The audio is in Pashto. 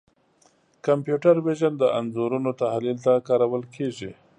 کمپیوټر وژن د انځورونو تحلیل ته کارول کېږي.